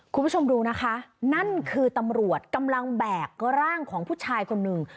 คุณผู้ชมดูนะคะนั่นคือตำรวจกำลังแบกร่างของผู้ชายคนหนึ่ง